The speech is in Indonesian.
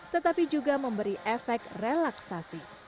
tetapi juga memberi efek relaksasi